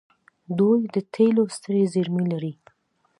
دوی د تیلو سترې زیرمې لري.